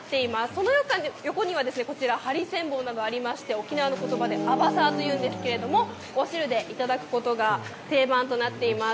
その横にはハリセンボンなどありまして、沖縄の言葉でアバサーというんですけれども、お汁でいただくことが定番となっています。